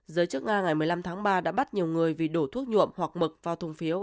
giới chức nga ngày một mươi năm tháng ba đã bắt nhiều người vì đổ thuốc nhuộm hoặc mực vào thùng phiếu